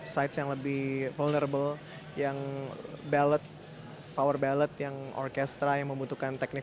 sites yang lebih vulnerable yang ballad power ballad yang orkestra yang membutuhkan teknik